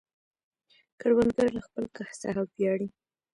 کروندګر له خپل کښت څخه ویاړي